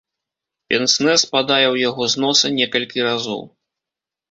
Пенснэ спадае ў яго з носа некалькі разоў.